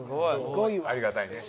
ありがたいね。